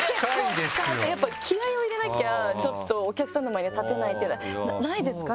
やっぱ気合を入れなきゃちょっとお客さんの前には立てないないですか？